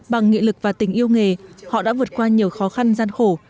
bằng nghị lực và tình yêu nghề họ đã vượt qua nhiều khó khăn gian khổ